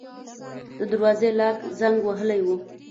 د دروازې لاک زنګ وهلی و.